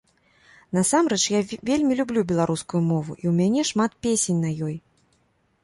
Насамрэч, я вельмі люблю беларускую мову, і ў мяне шмат песень на ёй.